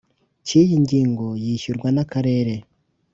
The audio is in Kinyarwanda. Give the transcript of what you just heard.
Cy iyi ngingo yishyurwa n akarere